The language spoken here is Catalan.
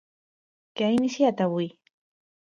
Què ha iniciat avui?